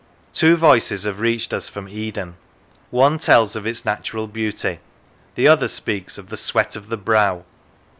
Two voices have reached us from Eden: one tells of its natural beauty, the other speaks of the sweat of the brow.